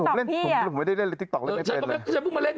ผมไม่ได้เล่นติ๊กต๊อกเล่นไม่เป็นเลย